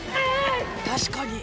確かに。